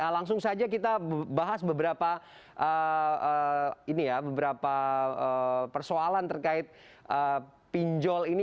langsung saja kita bahas beberapa persoalan terkait pinjol ini